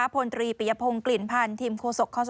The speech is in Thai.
พลตรีปิยพงศ์กลิ่นพันธุ์ทิมโครสกคสชบอกว่า